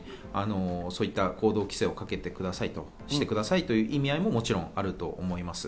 そういった行動規制をかけてくださいと、してくださいという意味合いももちろんあると思います。